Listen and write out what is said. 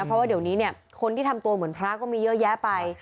เพราะว่าเดี๋ยวนี้เนี่ยคนที่ทำตัวเหมือนพระก็มีเยอะแยะไป